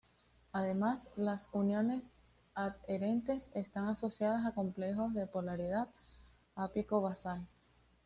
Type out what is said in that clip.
Además las uniones adherentes están asociadas a complejos de polaridad apico-basal.